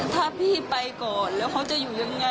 ถ้าพี่ไปก่อนแล้วเขาจะอยู่ยังไง